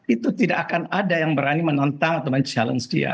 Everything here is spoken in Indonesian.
itu tidak akan ada yang berani menantang atau mencabar dia